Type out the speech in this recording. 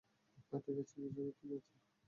ঠিক আছে, - কিসের ঠিক আছে?